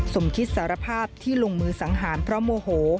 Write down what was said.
สมคิตสารภาพที่ลงมือสังหารเพราะโมโห